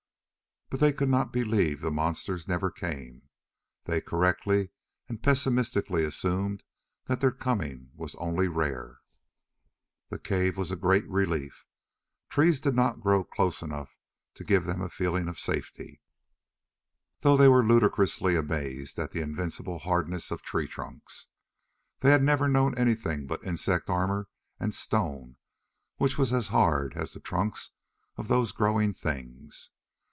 But they could not believe the monsters never came. They correctly and pessimistically assumed that their coming was only rare. The cave was a great relief. Trees did not grow close enough to give them a feeling of safety, though they were ludicrously amazed at the invincible hardness of tree trunks. They had never known anything but insect armour and stone which was as hard as the trunks of those growing things.